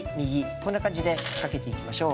こんな感じでかけていきましょう。